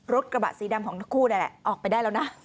รถกระบะสีดำของทั้งคู่นั่นแหละออกไปได้แล้วนะ